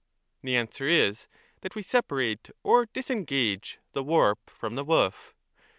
— The answer is, that we separate or disengage the warp from the woof.